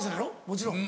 もちろん。